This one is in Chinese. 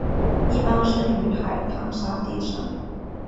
一般生于海滩沙地上。